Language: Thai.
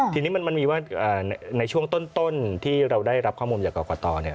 ทีนี้มันมีว่าในช่วงต้นที่เราได้รับข้อมูลจากกรกต